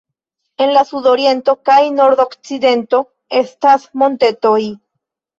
En la sudoriento kaj nordokcidento estas montetoj.